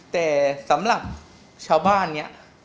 แต่สำหรับชาวบ้านเนี่ย